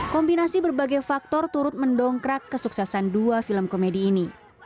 kombinasi berbagai faktor turut mendongkrak kesuksesan dua film komedi ini